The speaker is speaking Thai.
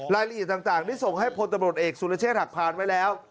รายละเอียดต่างได้ส่งให้พลตำรวจเอกสุรเชษฐหักพานไว้แล้ว